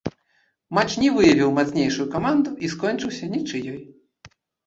Матч не выявіў мацнейшую каманду і скончыўся нічыёй.